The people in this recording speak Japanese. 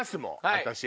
私。